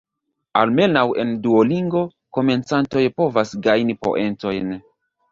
Almenaŭ en Duolingo, komencantoj povas gajni poentojn.